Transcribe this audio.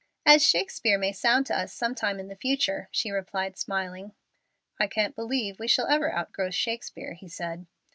"As Shakespeare may sound to us some time in the future," she replied, smiling. "I can't believe we shall ever outgrow Shakespeare," he said.